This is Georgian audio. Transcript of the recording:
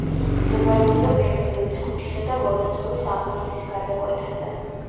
მდებარეობდა ბერძნების ქუჩისა და ვორონცოვის აღმართის გადაკვეთაზე.